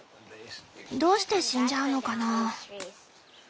どうして死んじゃうのかな？